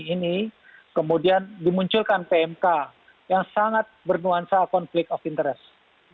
di saat pandemi ini kemudian dimunculkan pmk yang sangat bernuansa konflik of interest